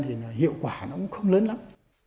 thì hiệu quả nó cũng không lớn lắm